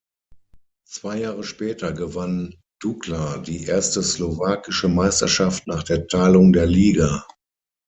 Zwei Jahre später gewann Dukla die erste slowakische Meisterschaft nach der Teilung der Liga.